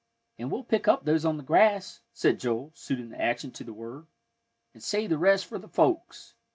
"An' we'll pick up those on the grass," said Joel, suiting the action to the word, "an' save the rest for th' folks."